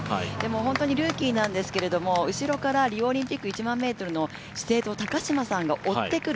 本当にルーキーなんですけど、後ろからリオオリンピック１００００ｍの資生堂・高島さんが追ってくる。